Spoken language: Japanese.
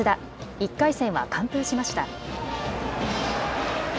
１回戦は完封しました。